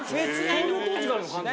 創業当時からの感じ？